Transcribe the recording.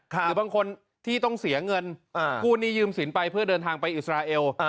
หรือบางคนที่ต้องเสียเงินกู้หนี้ยืมสินไปเพื่อเดินทางไปอิสราเอล